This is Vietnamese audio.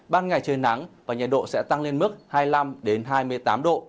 ban ngày trời nắng và nhiệt độ sẽ tăng lên mức hai mươi năm hai mươi tám độ